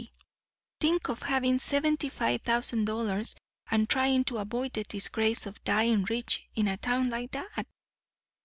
P. Think of having seventy five thousand dollars and trying to avoid the disgrace of dying rich in a town like that!